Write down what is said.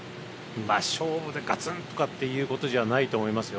勝負でがつんとかっていうことじゃないと思いますよ。